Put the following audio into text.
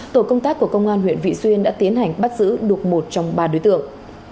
tổ công tác của công an huyện vị xuyên đã tiến hành bắt giữ được một trong ba đối tượng